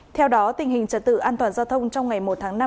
theo đó tình hình trật tự an toàn giao thông trong ngày một tháng năm